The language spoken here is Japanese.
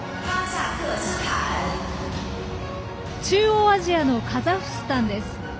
中央アジアのカザフスタンです。